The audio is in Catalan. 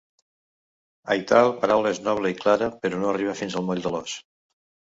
Aital paraula és noble i clara, però no arriba fins al moll de l'os.